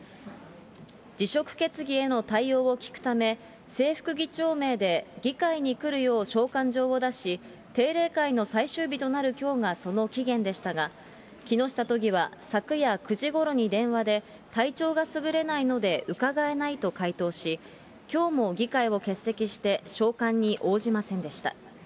辞職決議への対応を聞くため、正副議長名で議会に来るよう召喚状を出し、定例会の最終日となるきょうがその期限でしたが、木下都議は昨夜９時ごろに電話で、体調がすぐれないのでうかがえないと回答し、きょうも議会を欠席して、召喚に応じませんでした。